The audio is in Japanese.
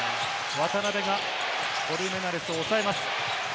渡邊がコルメナレスを抑えます。